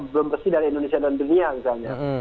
belum bersih dari indonesia non dunia misalnya